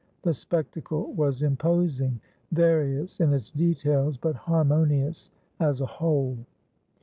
The spectacle was imposing; various in its details, but harmonious as a whole.